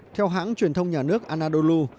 theo hãng truyền thông nhà nước anadolu